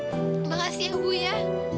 terima kasih ibu ya